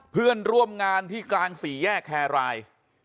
เพื่อนร่วมงานที่กลางสี่แยกแครราย